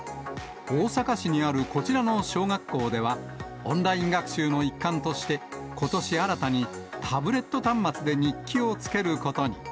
大阪市にあるこちらの小学校では、オンライン学習の一環として、ことし新たにタブレット端末で日記をつけることに。